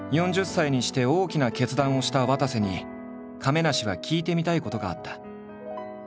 ４０歳にして大きな決断をしたわたせに亀梨は聞いてみたいことがあった。